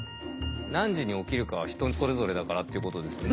何時に起きるかは人それぞれだからってことですよね。